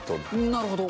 なるほど。